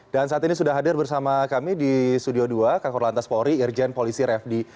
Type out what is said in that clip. dan saat ini sudah hadir bersama kami di studio dua kak orlantas pori irjen polisi refdi